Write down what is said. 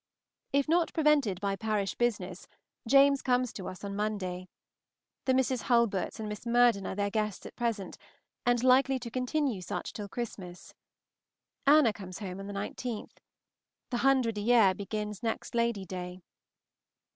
If not prevented by parish business, James comes to us on Monday. The Mrs. Hulberts and Miss Murden are their guests at present, and likely to continue such till Christmas. Anna comes home on the 19th. The hundred a year begins next Lady day.